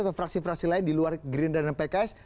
atau fraksi fraksi lain di luar green dan mpks